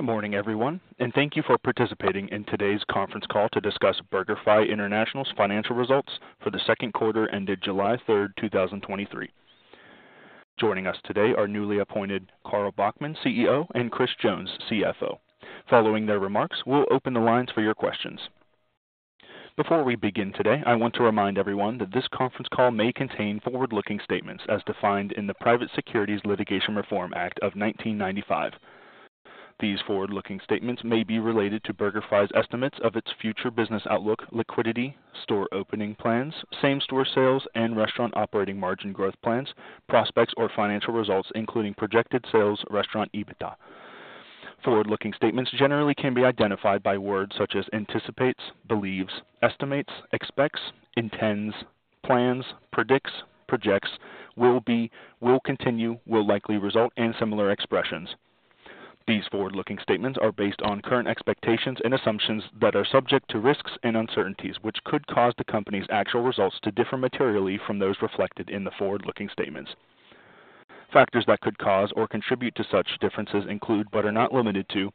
Good morning, everyone, and thank you for participating in today's conference call to discuss BurgerFi International's financial results for the second quarter ended July 3rd, 2023. Joining us today are newly appointed Carl Bachmann, CEO, and Chris Jones, CFO. Following their remarks, we'll open the lines for your questions. Before we begin today, I want to remind everyone that this conference call may contain forward-looking statements as defined in the Private Securities Litigation Reform Act of 1995. These forward-looking statements may be related to BurgerFi's estimates of its future business outlook, liquidity, store opening plans, same-store sales and restaurant operating margin growth plans, prospects or financial results, including projected sales, restaurant EBITDA. Forward-looking statements generally can be identified by words such as anticipates, believes, estimates, expects, intends, plans, predicts, projects, will be, will continue, will likely result, and similar expressions. These forward-looking statements are based on current expectations and assumptions that are subject to risks and uncertainties, which could cause the company's actual results to differ materially from those reflected in the forward-looking statements. Factors that could cause or contribute to such differences include, but are not limited to,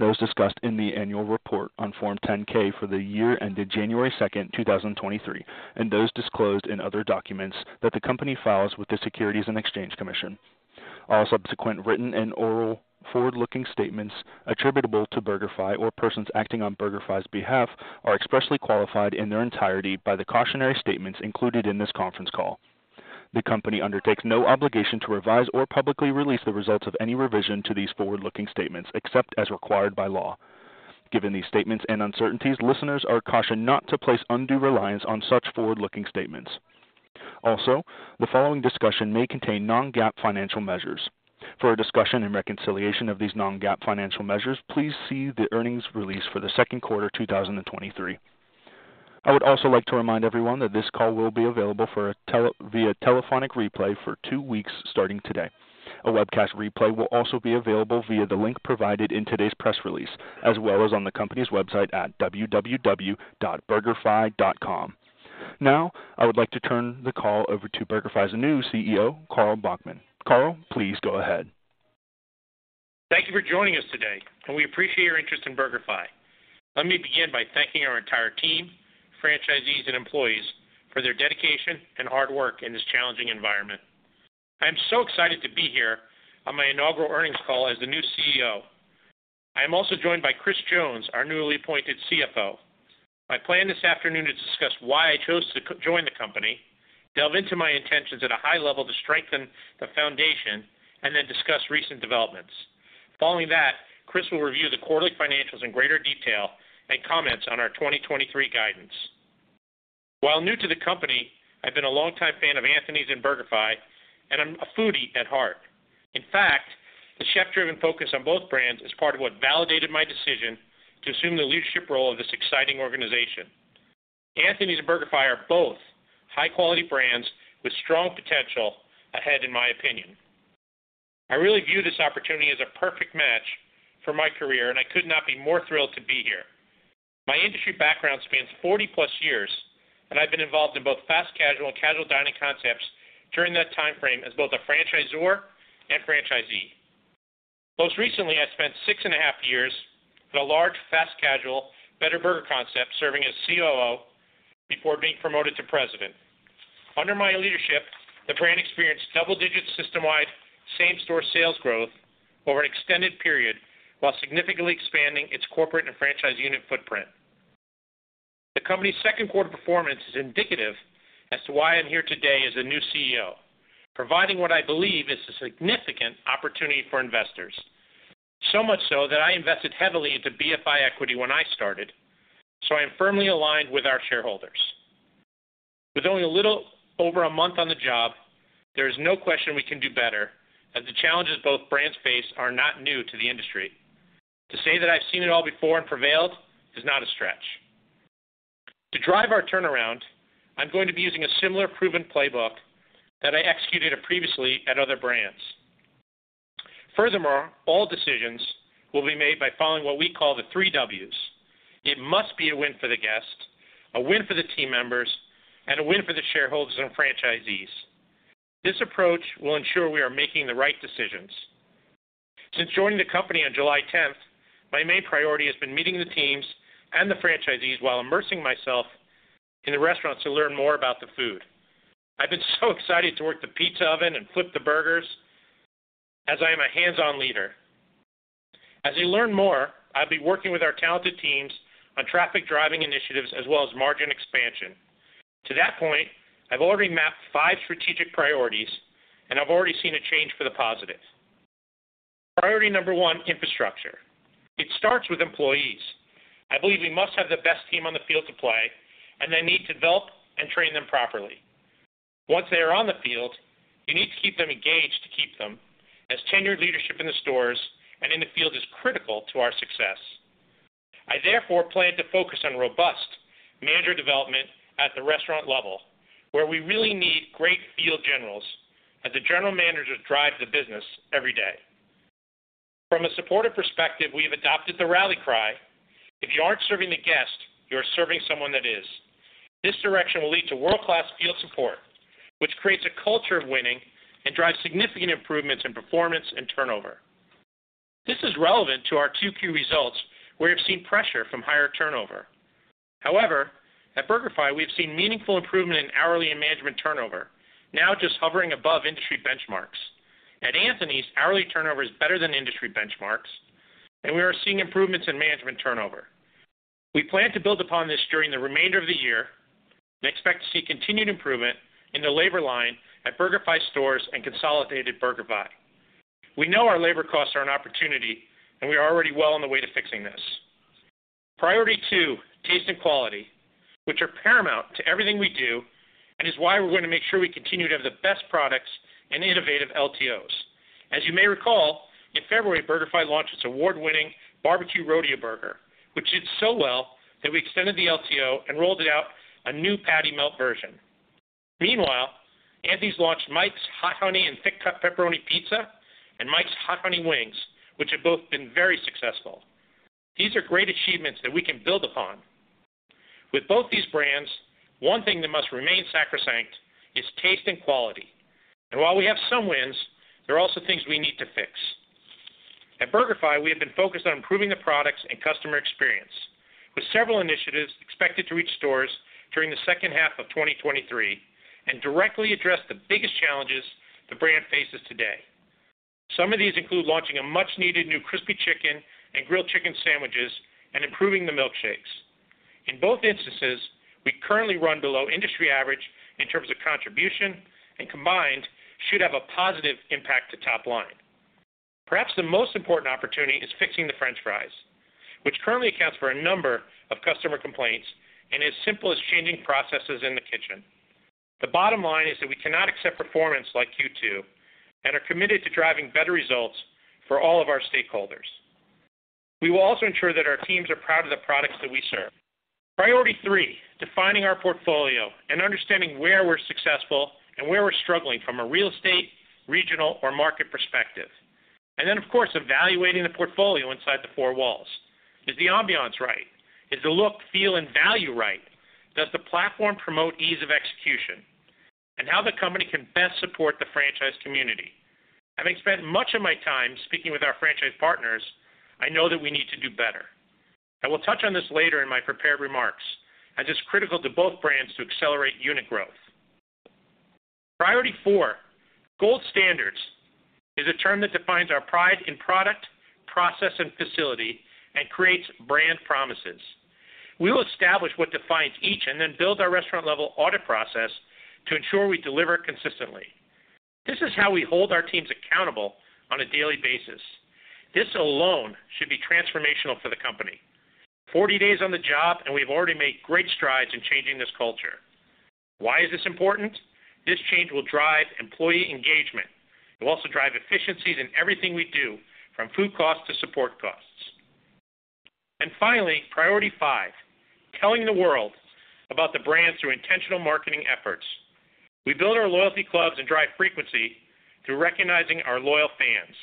those discussed in the annual report on Form 10-K for the year ended January 2nd, 2023, and those disclosed in other documents that the company files with the Securities and Exchange Commission. All subsequent written and oral forward-looking statements attributable to BurgerFi or persons acting on BurgerFi's behalf are expressly qualified in their entirety by the cautionary statements included in this conference call. The company undertakes no obligation to revise or publicly release the results of any revision to these forward-looking statements, except as required by law. Given these statements and uncertainties, listeners are cautioned not to place undue reliance on such forward-looking statements. Also, the following discussion may contain non-GAAP financial measures. For a discussion and reconciliation of these non-GAAP financial measures, please see the earnings release for the second quarter of 2023. I would also like to remind everyone that this call will be available via telephonic replay for two weeks starting today. A webcast replay will also be available via the link provided in today's press release, as well as on the company's website at www.burgerfi.com. Now, I would like to turn the call over to BurgerFi's new CEO, Carl Bachmann. Carl, please go ahead. Thank you for joining us today, and we appreciate your interest in BurgerFi. Let me begin by thanking our entire team, franchisees, and employees for their dedication and hard work in this challenging environment. I am so excited to be here on my inaugural earnings call as the new CEO. I am also joined by Chris Jones, our newly appointed CFO. My plan this afternoon is to discuss why I chose to join the company, delve into my intentions at a high level to strengthen the foundation, and then discuss recent developments. Following that, Chris will review the quarterly financials in greater detail and comment on our 2023 guidance. While new to the company, I've been a longtime fan of Anthony's and BurgerFi, and I'm a foodie at heart. In fact, the chef-driven focus on both brands is part of what validated my decision to assume the leadership role of this exciting organization. Anthony's and BurgerFi are both high-quality brands with strong potential ahead, in my opinion. I really view this opportunity as a perfect match for my career, and I could not be more thrilled to be here. My industry background spans 40+ years, and I've been involved in both fast casual and casual dining concepts during that timeframe as both a franchisor and franchisee. Most recently, I spent 6.5 years at a large fast casual better burger concept, serving as COO before being promoted to President. Under my leadership, the brand experienced double-digit system-wide same-store sales growth over an extended period while significantly expanding its corporate and franchise unit footprint. The company's second quarter performance is indicative as to why I'm here today as the new CEO, providing what I believe is a significant opportunity for investors. So much so that I invested heavily into BFI equity when I started, so I am firmly aligned with our shareholders. With only a little over a month on the job, there is no question we can do better, as the challenges both brands face are not new to the industry. To say that I've seen it all before and prevailed is not a stretch. To drive our turnaround, I'm going to be using a similar proven playbook that I executed previously at other brands. Furthermore, all decisions will be made by following what we call the 3Ws. It must be a win for the guest, a win for the team members, and a win for the shareholders and franchisees. This approach will ensure we are making the right decisions. Since joining the company on July 10th, my main priority has been meeting the teams and the franchisees while immersing myself in the restaurants to learn more about the food. I've been so excited to work the pizza oven and flip the burgers as I am a hands-on leader. As I learn more, I'll be working with our talented teams on traffic-driving initiatives as well as margin expansion. To that point, I've already mapped five strategic priorities, and I've already seen a change for the positive. Priority number one: infrastructure. It starts with employees. I believe we must have the best team on the field to play, and they need to develop and train them properly. Once they are on the field, you need to keep them engaged to keep them, as tenured leadership in the stores and in the field is critical to our success. I therefore plan to focus on robust manager development at the restaurant level, where we really need great field generals as the general managers drive the business every day. From a supportive perspective, we have adopted the rally cry. If you aren't serving the guest, you are serving someone that is. This direction will lead to world-class field support, which creates a culture of winning and drives significant improvements in performance and turnover. This is relevant to our 2Q results, where we've seen pressure from higher turnover. However, at BurgerFi, we've seen meaningful improvement in hourly and management turnover, now just hovering above industry benchmarks. At Anthony's, hourly turnover is better than industry benchmarks, and we are seeing improvements in management turnover. We plan to build upon this during the remainder of the year and expect to see continued improvement in the labor line at BurgerFi stores and consolidated BurgerFi. We know our labor costs are an opportunity, and we are already well on the way to fixing this. Priority two: taste and quality, which are paramount to everything we do, and is why we're going to make sure we continue to have the best products and innovative LTOs. As you may recall, in February, BurgerFi launched its award-winning BBQ Rodeo Burger, which did so well that we extended the LTO and rolled it out a new patty melt version. Meanwhile, Anthony's launched Mike's Hot Honey & Thick Cut Pepperoni Pizza and Mike's Hot Honey Wings, which have both been very successful. These are great achievements that we can build upon. With both these brands, one thing that must remain sacrosanct is taste and quality. While we have some wins, there are also things we need to fix. At BurgerFi, we have been focused on improving the products and customer experience, with several initiatives expected to reach stores during the second half of 2023, and directly address the biggest challenges the brand faces today. Some of these include launching a much-needed new crispy chicken and grilled chicken sandwiches and improving the milkshakes. In both instances, we currently run below industry average in terms of contribution, and combined, should have a positive impact to top line. Perhaps the most important opportunity is fixing the French fries, which currently accounts for a number of customer complaints and as simple as changing processes in the kitchen. The bottom line is that we cannot accept performance like Q2, and are committed to driving better results for all of our stakeholders. We will also ensure that our teams are proud of the products that we serve. Priority three: defining our portfolio and understanding where we're successful and where we're struggling from a real estate, regional or market perspective, and then, of course, evaluating the portfolio inside the four walls. Is the ambiance right? Is the look, feel, and value right? Does the platform promote ease of execution? How the company can best support the franchise community? Having spent much of my time speaking with our franchise partners, I know that we need to do better. I will touch on this later in my prepared remarks, as it's critical to both brands to accelerate unit growth. Priority four: gold standards is a term that defines our pride in product, process, and facility and creates brand promises. We will establish what defines each and then build our restaurant-level audit process to ensure we deliver consistently. This is how we hold our teams accountable on a daily basis. This alone should be transformational for the company. 40 days on the job, we've already made great strides in changing this culture. Why is this important? This change will drive employee engagement. It will also drive efficiencies in everything we do, from food costs to support costs. Finally, priority five: telling the world about the brands through intentional marketing efforts. We build our loyalty clubs and drive frequency through recognizing our loyal fans.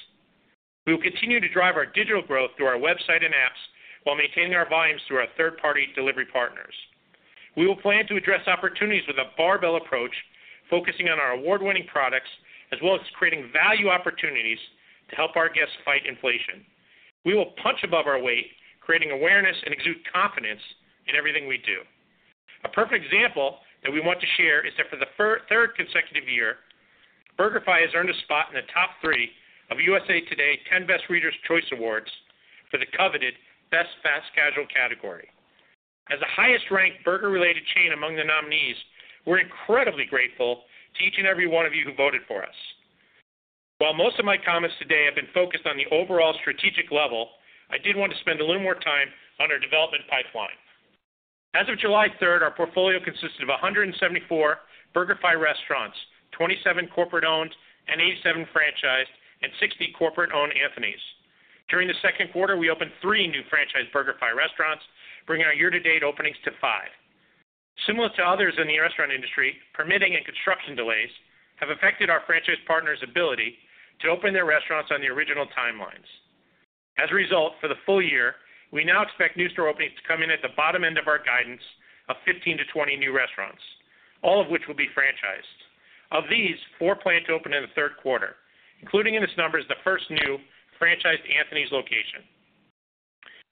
We will continue to drive our digital growth through our website and apps while maintaining our volumes through our third-party delivery partners. We will plan to address opportunities with a barbell approach, focusing on our award-winning products, as well as creating value opportunities to help our guests fight inflation. We will punch above our weight, creating awareness and exude confidence in everything we do. A perfect example that we want to share is that for the third consecutive year, BurgerFi has earned a spot in the top three of USA TODAY 10Best Readers' Choice Awards for the coveted Best Fast Casual category. As the highest-ranked burger-related chain among the nominees, we're incredibly grateful to each and every one of you who voted for us. While most of my comments today have been focused on the overall strategic level, I did want to spend a little more time on our development pipeline. As of July 3rd, our portfolio consisted of 174 BurgerFi restaurants, 27 corporate-owned and 87 franchised, and 60 corporate-owned Anthony's. During the second quarter, we opened three new franchise BurgerFi restaurants, bringing our year-to-date openings to five. Similar to others in the restaurant industry, permitting and construction delays have affected our franchise partners' ability to open their restaurants on the original timelines. As a result, for the full year, we now expect new store openings to come in at the bottom end of our guidance of 15-20 new restaurants, all of which will be franchised. Of these, four plan to open in the third quarter, including in this number is the first new franchised Anthony's location.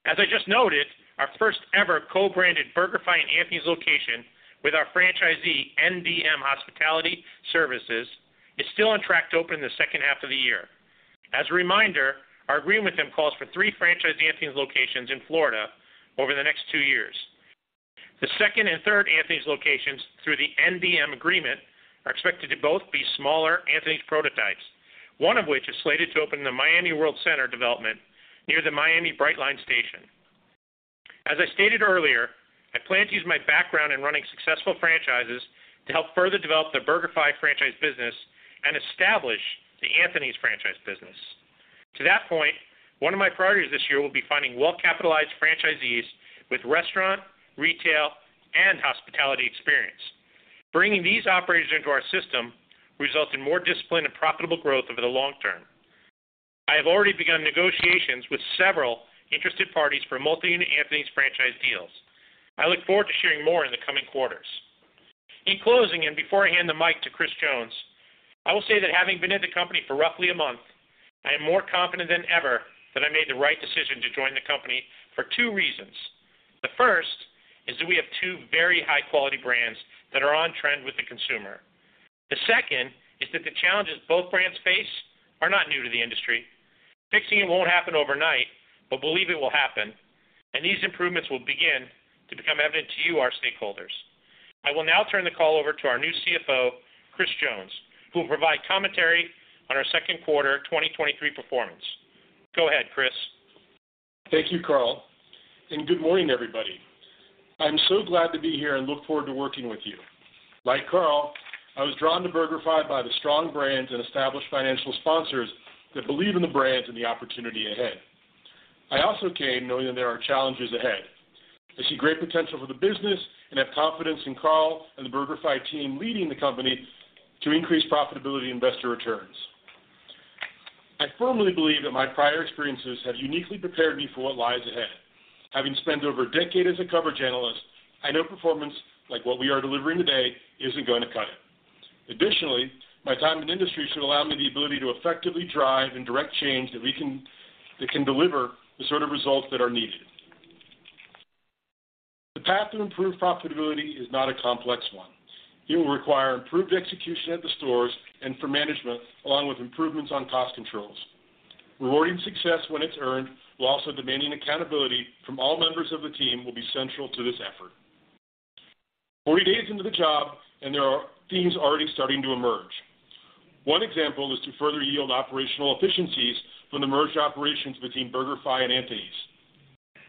As I just noted, our first ever co-branded BurgerFi and Anthony's location with our franchisee, NDM Hospitality Services, is still on track to open in the second half of the year. As a reminder, our agreement with them calls for three franchised Anthony's locations in Florida over the next two years. The second and third Anthony's locations through the NDM agreement are expected to both be smaller Anthony's prototypes, one of which is slated to open in the Miami Worldcenter development near the Miami Brightline station. As I stated earlier, I plan to use my background in running successful franchises to help further develop the BurgerFi franchise business and establish the Anthony's franchise business. To that point, one of my priorities this year will be finding well-capitalized franchisees with restaurant, retail, and hospitality experience. Bringing these operators into our system results in more discipline and profitable growth over the long term.... I have already begun negotiations with several interested parties for multi-unit Anthony's franchise deals. I look forward to sharing more in the coming quarters. In closing, and before I hand the mic to Chris Jones, I will say that having been at the company for roughly a month, I am more confident than ever that I made the right decision to join the company for two reasons. The first is that we have two very high-quality brands that are on trend with the consumer. The second is that the challenges both brands face are not new to the industry. Fixing it won't happen overnight, but believe it will happen, and these improvements will begin to become evident to you, our stakeholders. I will now turn the call over to our new CFO, Chris Jones, who will provide commentary on our second quarter 2023 performance. Go ahead, Chris. Thank you, Carl, and good morning, everybody. I'm so glad to be here and look forward to working with you. Like Carl, I was drawn to BurgerFi by the strong brands and established financial sponsors that believe in the brand and the opportunity ahead. I also came knowing that there are challenges ahead. I see great potential for the business and have confidence in Carl and the BurgerFi team leading the company to increase profitability and investor returns. I firmly believe that my prior experiences have uniquely prepared me for what lies ahead. Having spent over a decade as a coverage analyst, I know performance like what we are delivering today isn't going to cut it. Additionally, my time in the industry should allow me the ability to effectively drive and direct change that can deliver the sort of results that are needed. The path to improved profitability is not a complex one. It will require improved execution at the stores and for management, along with improvements on cost controls. Rewarding success when it's earned, while also demanding accountability from all members of the team, will be central to this effort. 40 days into the job, and there are themes already starting to emerge. One example is to further yield operational efficiencies from the merged operations between BurgerFi and Anthony's.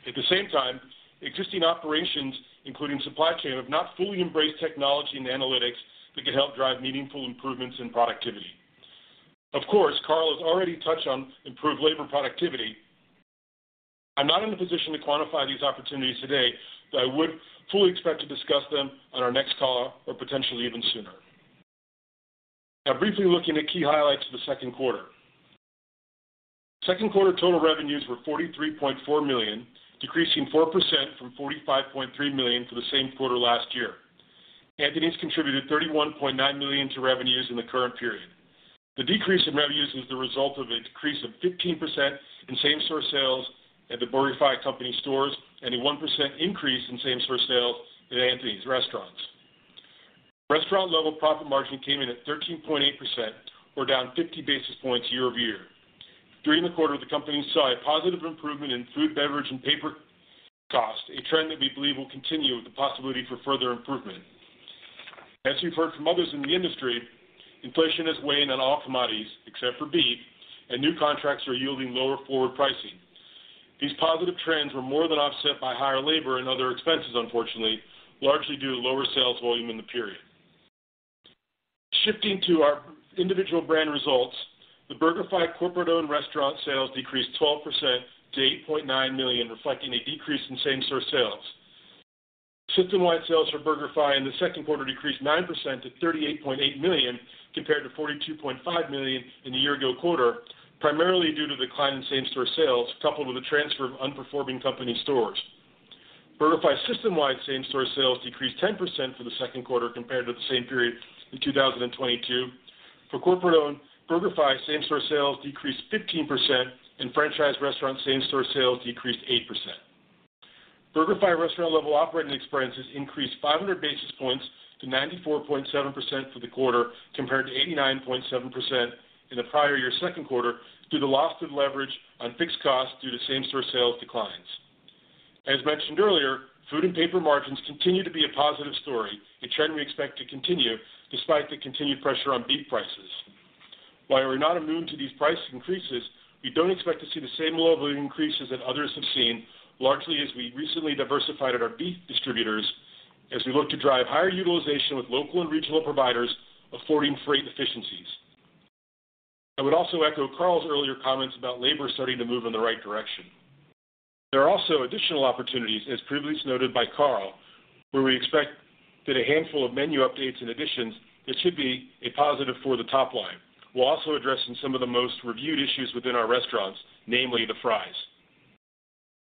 At the same time, existing operations, including supply chain, have not fully embraced technology and analytics that could help drive meaningful improvements in productivity. Of course, Carl has already touched on improved labor productivity. I'm not in a position to quantify these opportunities today, but I would fully expect to discuss them on our next call or potentially even sooner. Now, briefly looking at key highlights for the second quarter. Second quarter total revenues were $43.4 million, decreasing 4% from $45.3 million for the same quarter last year. Anthony's contributed $31.9 million to revenues in the current period. The decrease in revenues was the result of a decrease of 15% in same-store sales at the BurgerFi company stores and a 1% increase in same-store sales at Anthony's restaurants. Restaurant-level profit margin came in at 13.8%, or down 50 basis points year-over-year. During the quarter, the company saw a positive improvement in food, beverage, and paper costs, a trend that we believe will continue with the possibility for further improvement. As you've heard from others in the industry, inflation is weighing on all commodities except for beef, and new contracts are yielding lower forward pricing. These positive trends were more than offset by higher labor and other expenses, unfortunately, largely due to lower sales volume in the period. Shifting to our individual brand results, the BurgerFi corporate-owned restaurant sales decreased 12% to $8.9 million, reflecting a decrease in same-store sales. System-wide sales for BurgerFi in the second quarter decreased 9% to $38.8 million, compared to $42.5 million in the year ago quarter, primarily due to the decline in same-store sales, coupled with a transfer of underperforming company stores. BurgerFi's system-wide same-store sales decreased 10% for the second quarter compared to the same period in 2022. For corporate-owned BurgerFi, same-store sales decreased 15%, and franchise restaurant same-store sales decreased 8%. BurgerFi restaurant-level operating expenses increased 500 basis points to 94.7% for the quarter, compared to 89.7% in the prior year's second quarter, due to the loss of leverage on fixed costs due to same-store sales declines. As mentioned earlier, food and paper margins continue to be a positive story, a trend we expect to continue despite the continued pressure on beef prices. While we're not immune to these price increases, we don't expect to see the same level of increases that others have seen, largely as we recently diversified our beef distributors as we look to drive higher utilization with local and regional providers, affording freight efficiencies. I would also echo Carl's earlier comments about labor starting to move in the right direction. There are also additional opportunities, as previously noted by Carl, where we expect that a handful of menu updates and additions that should be a positive for the top line. We're also addressing some of the most reviewed issues within our restaurants, namely the fries.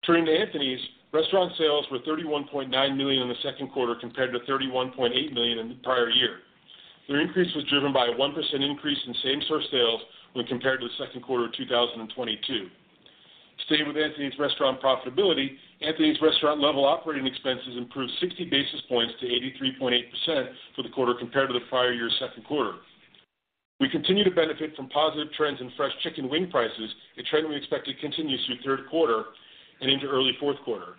Turning to Anthony's, restaurant sales were $31.9 million in the second quarter, compared to $31.8 million in the prior year. Their increase was driven by a 1% increase in same-store sales when compared to the second quarter of 2022. Staying with Anthony's restaurant profitability, Anthony's restaurant-level operating expenses improved 60 basis points to 83.8% for the quarter compared to the prior year's second quarter. We continue to benefit from positive trends in fresh chicken wing prices, a trend we expect to continue through third quarter and into early fourth quarter.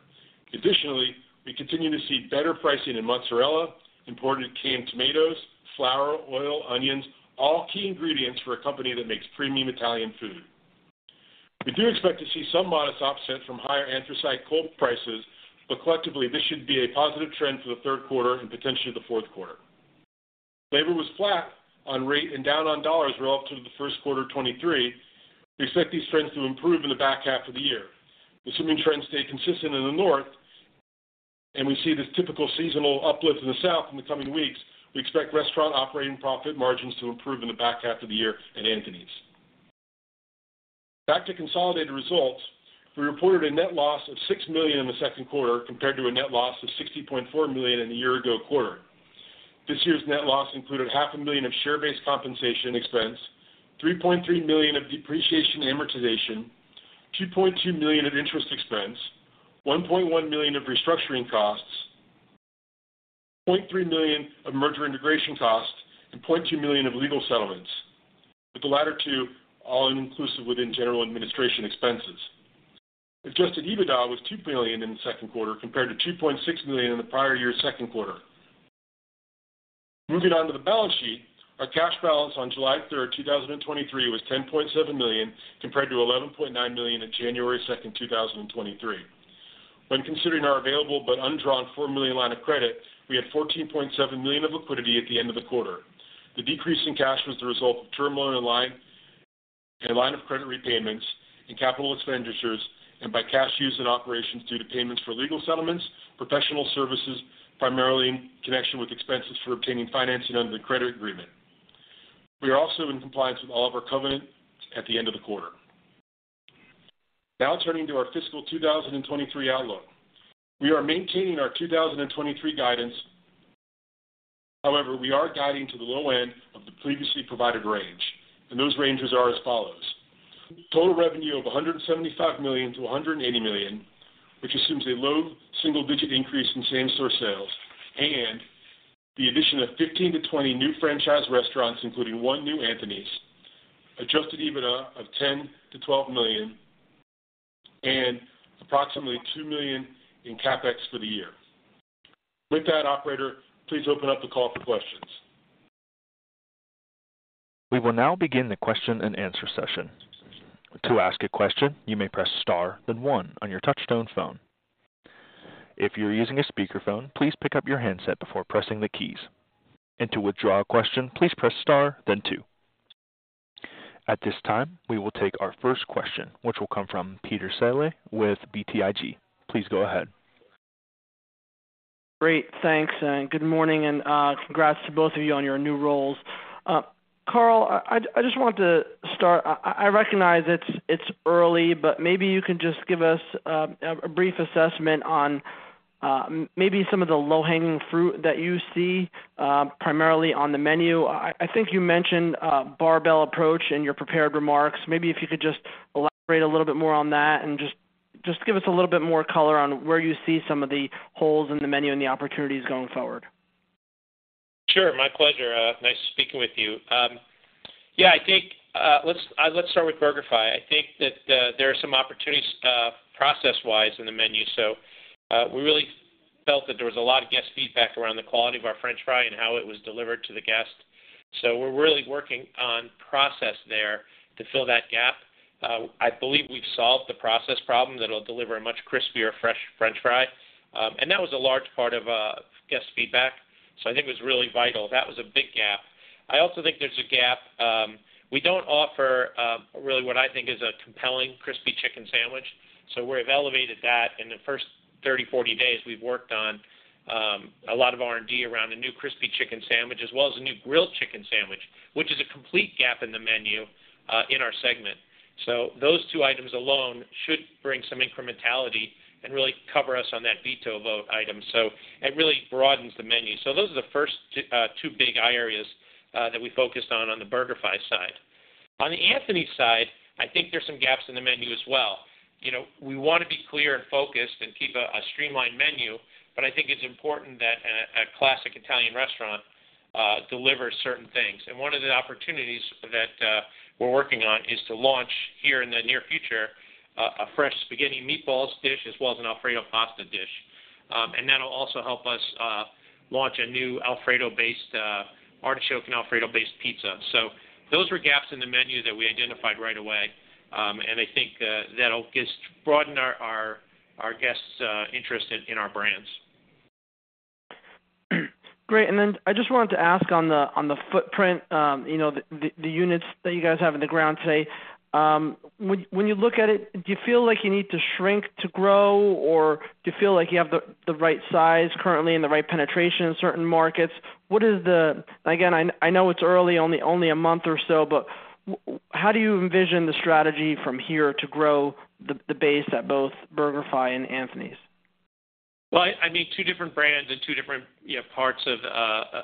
Additionally, we continue to see better pricing in mozzarella, imported canned tomatoes, flour, oil, onions, all key ingredients for a company that makes premium Italian food. We do expect to see some modest offset from higher anthracite coal prices, but collectively, this should be a positive trend for the third quarter and potentially the fourth quarter. Labor was flat on rate and down on dollars relative to the first quarter of 2023. We expect these trends to improve in the back half of the year. Assuming trends stay consistent in the North. And we see this typical seasonal uplift in the South in the coming weeks, we expect restaurant operating profit margins to improve in the back half of the year at Anthony's. Back to consolidated results, we reported a net loss of $6 million in the second quarter compared to a net loss of $60.4 million in the year ago quarter. This year's net loss included $500,000 of share-based compensation expense, $3.3 million of depreciation and amortization, $2.2 million of interest expense, $1.1 million of restructuring costs, $0.3 million of merger integration costs, and $0.2 million of legal settlements, with the latter two all inclusive within general administration expenses. Adjusted EBITDA was $2 million in the second quarter compared to $2.6 million in the prior year's second quarter. Moving on to the balance sheet, our cash balance on July 3rd, 2023, was $10.7 million, compared to $11.9 million on January 2nd, 2023. When considering our available but undrawn $4 million line of credit, we had $14.7 million of liquidity at the end of the quarter. The decrease in cash was the result of term loan and line of credit repayments and capital expenditures, and by cash use in operations due to payments for legal settlements, professional services, primarily in connection with expenses for obtaining financing under the credit agreement. We are also in compliance with all of our covenants at the end of the quarter. Turning to our fiscal 2023 outlook. We are maintaining our 2023 guidance. We are guiding to the low end of the previously provided range, and those ranges are as follows: Total revenue of $175 million-$180 million, which assumes a low single-digit increase in same-store sales and the addition of 15-20 new franchise restaurants, including one new Anthony's. Adjusted EBITDA of $10 million-$12 million and approximately $2 million in CapEx for the year. With that, operator, please open up the call for questions. We will now begin the question-and-answer session. To ask a question, you may press star, then one on your touchtone phone. If you're using a speakerphone, please pick up your handset before pressing the keys. To withdraw a question, please press star then two. At this time, we will take our first question, which will come from Peter Saleh with BTIG. Please go ahead. Great, thanks, and good morning, and congrats to both of you on your new roles. Carl, I, I just wanted to start. I, I recognize it's, it's early, but maybe you can just give us a brief assessment on maybe some of the low-hanging fruit that you see primarily on the menu. I, I think you mentioned a barbell approach in your prepared remarks. Maybe if you could just elaborate a little bit more on that and just, just give us a little bit more color on where you see some of the holes in the menu and the opportunities going forward. Sure. My pleasure, nice speaking with you. Yeah, I think, let's start with BurgerFi. I think that, there are some opportunities, process-wise in the menu. We really felt that there was a lot of guest feedback around the quality of our french fry and how it was delivered to the guest. We're really working on process there to fill that gap. I believe we've solved the process problem that'll deliver a much crispier, fresh french fry. That was a large part of guest feedback, so I think it was really vital. That was a big gap. I also think there's a gap, we don't offer, really what I think is a compelling crispy chicken sandwich, so we've elevated that. In the first 30, 40 days, we've worked on a lot of R&D around a new crispy chicken sandwich, as well as a new grilled chicken sandwich, which is a complete gap in the menu in our segment. Those two items alone should bring some incrementality and really cover us on that veto vote item. It really broadens the menu. Those are the first two, two big eye areas that we focused on, on the BurgerFi side. On the Anthony's side, I think there's some gaps in the menu as well. You know, we want to be clear and focused and keep a streamlined menu, but I think it's important that a classic Italian restaurant delivers certain things. One of the opportunities that we're working on is to launch here in the near future, a fresh spaghetti and meatballs dish, as well as an Alfredo pasta dish. That'll also help us launch a new Alfredo-based artichoke and Alfredo-based pizza. Those were gaps in the menu that we identified right away, and I think that'll just broaden our guests' interest in, in our brands. Great. I just wanted to ask on the, on the footprint, you know, the, the, the units that you guys have in the ground today, when, when you look at it, do you feel like you need to shrink to grow, or do you feel like you have the, the right size currently and the right penetration in certain markets? What is the. Again, I, I know it's early, only, only a month or so, but how do you envision the strategy from here to grow the, the base at both BurgerFi and Anthony's? Well, I mean, two different brands and two different, you know, parts of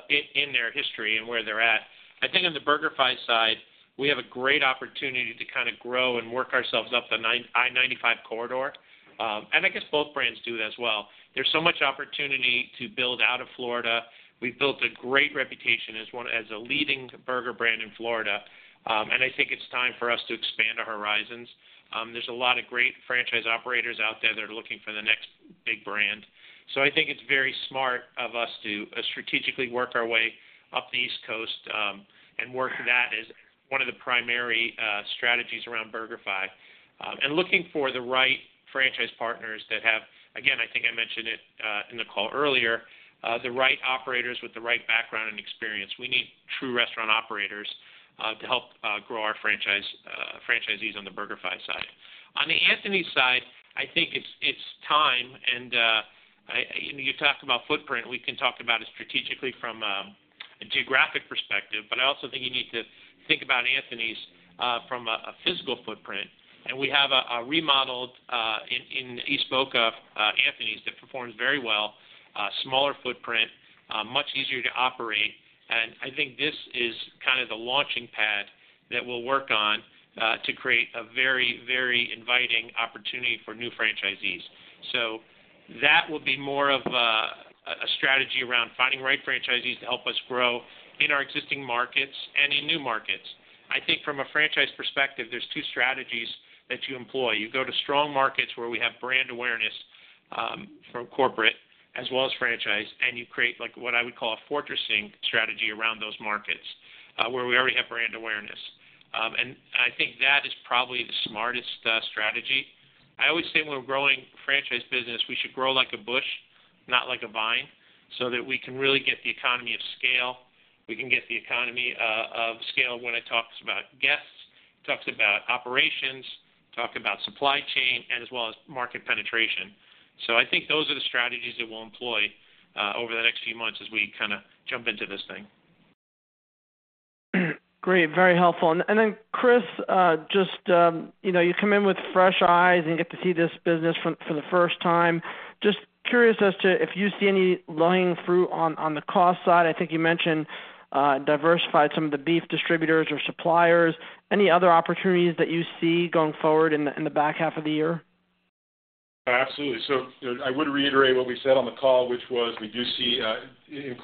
in their history and where they're at. I think on the BurgerFi side, we have a great opportunity to kind of grow and work ourselves up the I-95 corridor. I guess both brands do that as well. There's so much opportunity to build out of Florida. We've built a great reputation as a leading burger brand in Florida, and I think it's time for us to expand our horizons. There's a lot of great franchise operators out there that are looking for the next big brand. I think it's very smart of us to strategically work our way up the East Coast, and work that as one of the primary strategies around BurgerFi. Looking for the right franchise partners that have, again, I think I mentioned it in the call earlier, the right operators with the right background and experience. We need true restaurant operators to help grow our franchise franchisees on the BurgerFi side. On the Anthony's side, I think it's, it's time. You talked about footprint, we can talk about it strategically from a geographic perspective, but I also think you need to think about Anthony's from a physical footprint. We have a remodeled in East Boca Anthony's that performs very well, smaller footprint, much easier to operate. I think this is kind of the launching pad that we'll work on to create a very, very inviting opportunity for new franchisees. That will be more of a strategy around finding the right franchisees to help us grow in our existing markets and in new markets. I think from a franchise perspective, there's two strategies that you employ. You go to strong markets where we have brand awareness from corporate as well as franchise, and you create, like, what I would call a fortressing strategy around those markets where we already have brand awareness. I think that is probably the smartest strategy. I always say when we're growing franchise business, we should grow like a bush, not like a vine, so that we can really get the economy of scale. We can get the economy of scale when it talks about guests, talks about operations, talk about supply chain, and as well as market penetration. I think those are the strategies that we'll employ over the next few months as we kinda jump into this thing. Great, very helpful. Then, Chris, just, you know, you come in with fresh eyes and get to see this business for the first time. Just curious as to if you see any low hanging fruit on, on the cost side? I think you mentioned, diversified some of the beef distributors or suppliers. Any other opportunities that you see going forward in the, in the back half of the year? Absolutely. I would reiterate what we said on the call, which was we do see in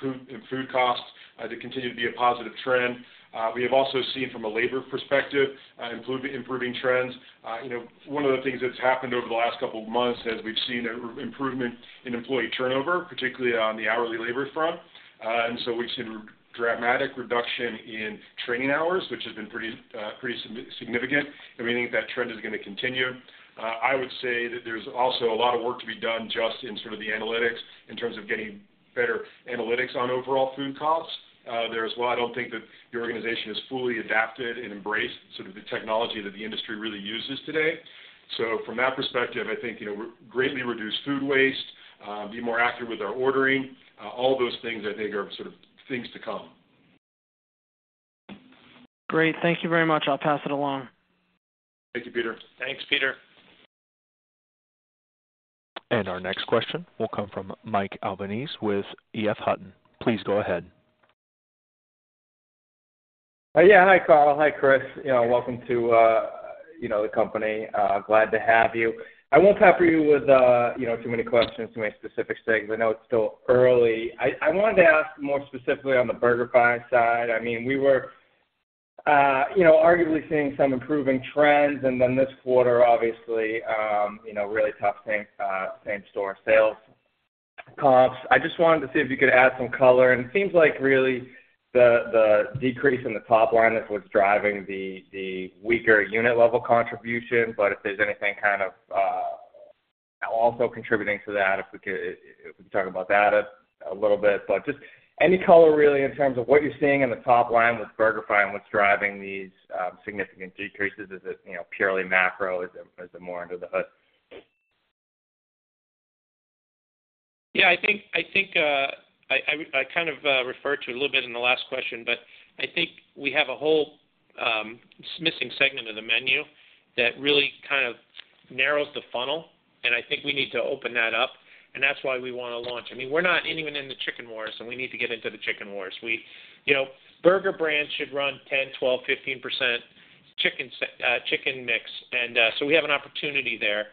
food costs to continue to be a positive trend. We have also seen from a labor perspective improving trends. You know, one of the things that's happened over the last couple of months is we've seen an improvement in employee turnover, particularly on the hourly labor front. We've seen dramatic reduction in training hours, which has been pretty significant, and we think that trend is gonna continue. I would say that there's also a lot of work to be done just in sort of the analytics, in terms of getting better analytics on overall food costs. There as well, I don't think that the organization has fully adapted and embraced sort of the technology that the industry really uses today. From that perspective, I think, you know, greatly reduce food waste, be more accurate with our ordering, all those things I think are sort of things to come. Great. Thank you very much. I'll pass it along. Thank you, Peter. Thanks, Peter. Our next question will come from Michael Albanese with EF Hutton. Please go ahead. Yeah. Hi, Carl. Hi, Chris. You know, welcome to, you know, the company. Glad to have you. I won't pester you with, you know, too many questions, too many specific things. I know it's still early. I, I wanted to ask more specifically on the BurgerFi side. I mean, we were, you know, arguably seeing some improving trends, then this quarter, obviously, you know, really tough same, same-store sales comps. I just wanted to see if you could add some color. It seems like really the, the decrease in the top line is what's driving the, the weaker unit level contribution, but if there's anything kind of, also contributing to that, if we could, if we could talk about that a little bit. Just any color, really, in terms of what you're seeing in the top line with BurgerFi and what's driving these, significant decreases? Is it, you know, purely macro? Is it, is it more under the hood? Yeah, I think, I think, I kind of, referred to it a little bit in the last question, but I think we have a whole, missing segment of the menu that really kind of narrows the funnel, and I think we need to open that up, and that's why we wanna launch. I mean, we're not even in the chicken wars, and we need to get into the chicken wars. We you know, burger brands should run 10%, 12%, 15% chicken set chicken mix, and, so we have an opportunity there.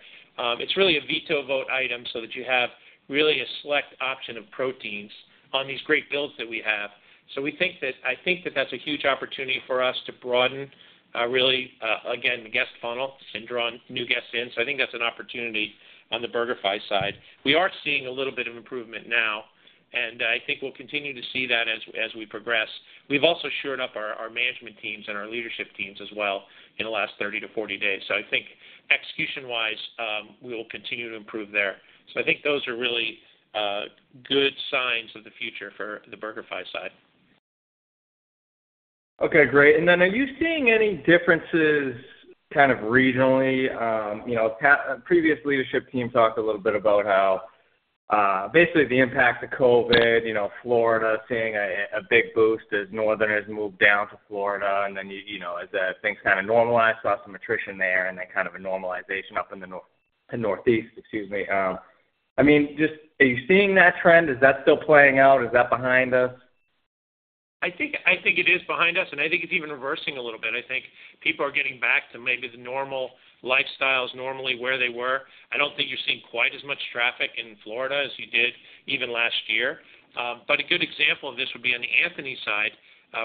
It's really a veto vote item so that you have really a select option of proteins on these great builds that we have. We think that, I think that that's a huge opportunity for us to broaden, really, again, the guest funnel and draw new guests in. I think that's an opportunity on the BurgerFi side. We are seeing a little bit of improvement now, and I think we'll continue to see that as, as we progress. We've also shored up our, our management teams and our leadership teams as well in the last 30 to 40 days. I think execution-wise, we will continue to improve there. I think those are really good signs of the future for the BurgerFi side. Okay, great. Then, are you seeing any differences kind of regionally? You know, previous leadership team talked a little bit about how, basically the impact of COVID, you know, Florida seeing a big boost as northerners moved down to Florida, and then, you know, as things kind of normalized, saw some attrition there and then kind of a normalization up in the Northeast, excuse me. I mean, just are you seeing that trend? Is that still playing out? Is that behind us? I think, I think it is behind us, and I think it's even reversing a little bit. I think people are getting back to maybe the normal lifestyles, normally where they were. I don't think you're seeing quite as much traffic in Florida as you did even last year. A good example of this would be on the Anthony side.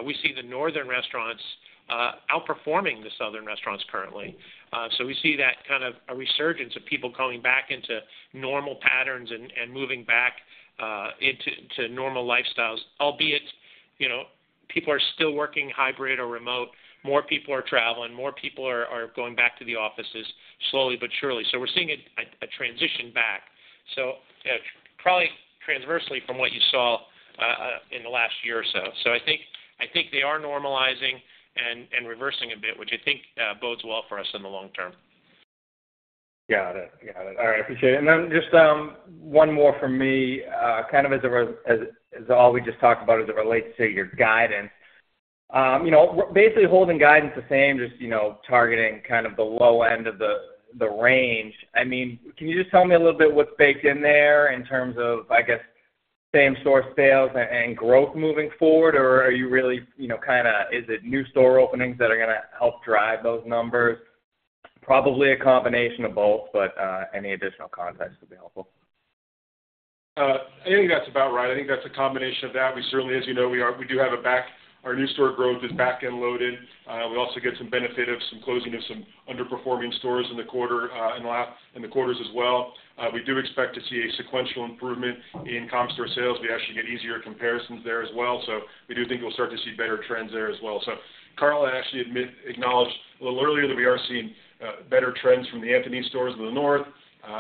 We see the northern restaurants outperforming the southern restaurants currently. We see that kind of a resurgence of people going back into normal patterns and moving back into normal lifestyles. Albeit, you know, people are still working hybrid or remote, more people are traveling, more people are going back to the offices, slowly but surely. We're seeing a transition back. Probably transversely from what you saw in the last year or so. I think, I think they are normalizing and, and reversing a bit, which I think, bodes well for us in the long term. Got it. Got it. All right, appreciate it. Then just one more from me, kind of as all we just talked about as it relates to your guidance. You know, basically holding guidance the same, just, you know, targeting kind of the low end of the, the range. I mean, can you just tell me a little bit what's baked in there in terms of, I guess, same-store sales and, and growth moving forward? Are you really, you know, kinda, is it new store openings that are gonna help drive those numbers? Probably a combination of both, but any additional context would be helpful. I think that's about right. I think that's a combination of that. We certainly, as you know, our new store growth is back-end loaded. We also get some benefit of some closing of some underperforming stores in the quarter, in the quarters as well. We do expect to see a sequential improvement in comp store sales. We actually get easier comparisons there as well. We do think we'll start to see better trends there as well. Carl actually acknowledged a little earlier that we are seeing better trends from the Anthony's stores in the north.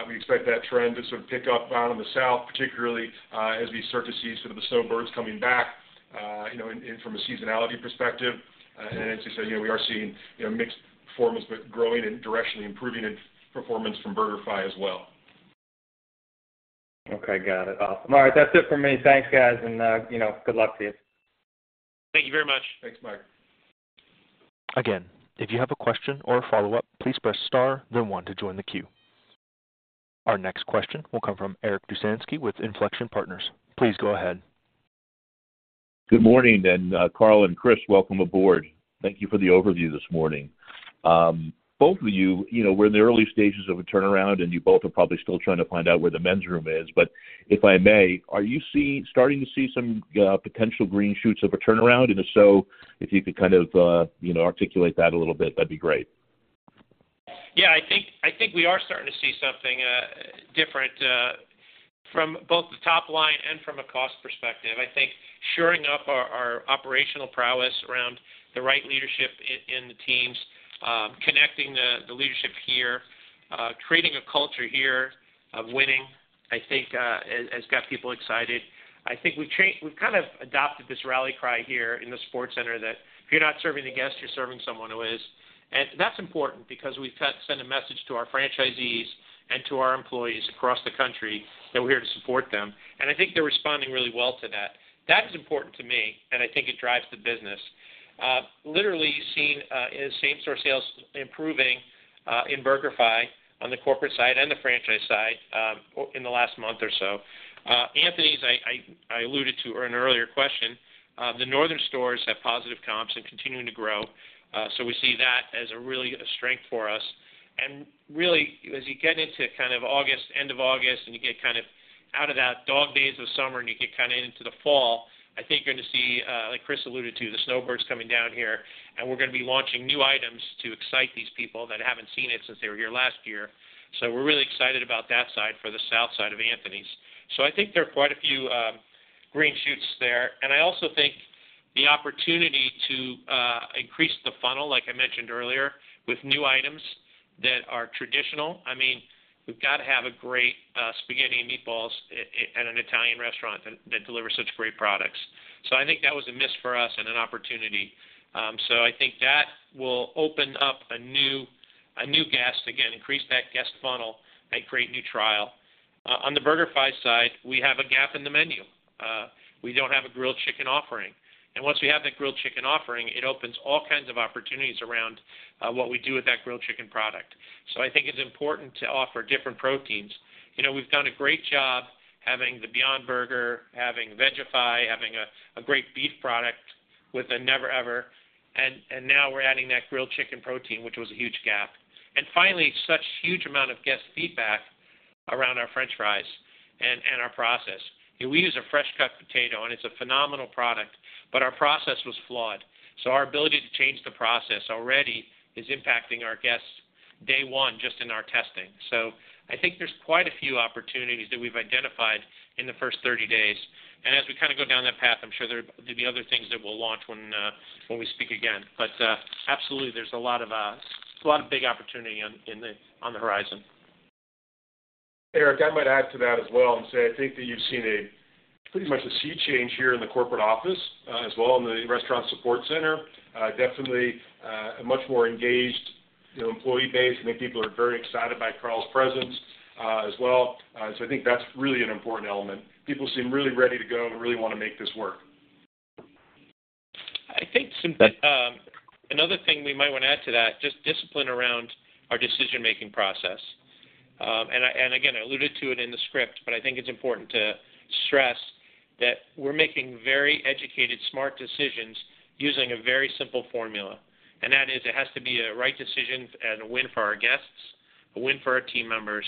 We expect that trend to sort of pick up down in the south, particularly, as we start to see some of the snowbirds coming back, you know, in, from a seasonality perspective. As you said, you know, we are seeing, you know, mixed performance, but growing and directionally improving in performance from BurgerFi as well. Okay, got it. Awesome. All right, that's it for me. Thanks, guys, you know, good luck to you. Thank you very much. Thanks, Mark. Again, if you have a question or a follow-up, please press star, then one to join the queue. Our next question will come from Eric Dusansky with Inflection Partners. Please go ahead. Good morning, Carl and Chris, welcome aboard. Thank you for the overview this morning. Both of you, you know, we're in the early stages of a turnaround, and you both are probably still trying to find out where the men's room is. If I may, are you starting to see some potential green shoots of a turnaround? If so, if you could kind of, you know, articulate that a little bit, that'd be great. Yeah, I think, I think we are starting to see something different, from both the top line and from a cost perspective. I think shoring up our, our operational prowess around the right leadership in, in the teams, connecting the, the leadership here, creating a culture here of winning, I think, has, has got people excited. I think we've changed... We've kind of adopted this rally cry here in the restaurant support center, that if you're not serving the guests, you're serving someone who is. That's important because we've sent a message to our franchisees and to our employees across the country that we're here to support them, and I think they're responding really well to that. That's important to me, and I think it drives the business. Literally seeing, same-store sales improving, in BurgerFi, on the corporate side and the franchise side, in the last month or so. Anthony's, I alluded to in an earlier question, the northern stores have positive comps and continuing to grow, so we see that as a really, a strength for us. Really, as you get into kind of August, end of August, and you get kind of out of that dog days of summer, and you get kinda into the fall, I think you're going to see, like Chris alluded to, the snowbirds coming down here, and we're gonna be launching new items to excite these people that haven't seen it since they were here last year. We're really excited about that side for the south side of Anthony's. I think there are quite a few green shoots there. I also think the opportunity to increase the funnel, like I mentioned earlier, with new items that are traditional. I mean, we've got to have a great spaghetti and meatballs at an Italian restaurant that delivers such great products. I think that was a miss for us and an opportunity. I think that will open up a new, a new guest, again, increase that guest funnel and create new trial. On the BurgerFi side, we have a gap in the menu. We don't have a grilled chicken offering, and once we have that grilled chicken offering, it opens all kinds of opportunities around what we do with that grilled chicken product. I think it's important to offer different proteins. You know, we've done a great job having the Beyond Burger, having VegeFi, having a great beef product with a Never-Ever Program, and now we're adding that grilled chicken protein, which was a huge gap. Finally, such huge amount of guest feedback around our french fries and our process. We use a fresh cut potato, and it's a phenomenal product, but our process was flawed, so our ability to change the process already is impacting our guests day one, just in our testing. I think there's quite a few opportunities that we've identified in the first 30 days, and as we kind of go down that path, I'm sure there will be other things that we'll launch when we speak again. Absolutely, there's a lot of big opportunity on, in the, on the horizon. Eric, I might add to that as well and say, I think that you've seen a pretty much a sea change here in the corporate office, as well in the restaurant support center. Definitely, a much more engaged, you know, employee base. I think people are very excited by Carl's presence, as well. I think that's really an important element. People seem really ready to go and really want to make this work. I think, another thing we might want to add to that, just discipline around our decision-making process. I, and again, I alluded to it in the script, but I think it's important to stress that we're making very educated, smart decisions using a very simple formula. That is, it has to be a right decision and a win for our guests, a win for our team members,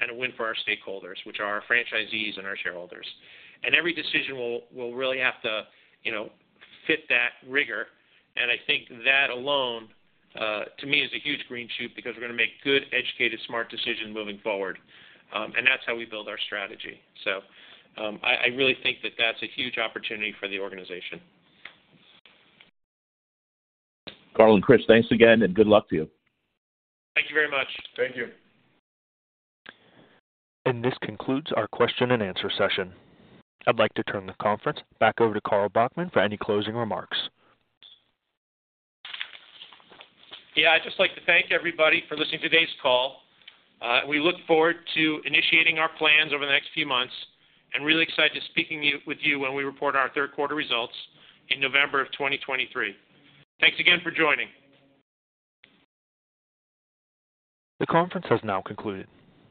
and a win for our stakeholders, which are our franchisees and our shareholders. Every decision will, will really have to, you know, fit that rigor, and I think that alone, to me, is a huge green shoot because we're going to make good, educated, smart decisions moving forward. That's how we build our strategy. I, I really think that that's a huge opportunity for the organization. Carl and Chris, thanks again, and good luck to you. Thank you very much. Thank you. This concludes our question-and-answer session. I'd like to turn the conference back over to Carl Bachmann for any closing remarks. Yeah, I'd just like to thank everybody for listening to today's call. We look forward to initiating our plans over the next few months, really excited to speaking with you when we report our third quarter results in November 2023. Thanks again for joining. The conference has now concluded.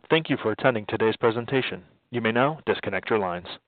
Thank you for attending today's presentation. You may now disconnect your lines.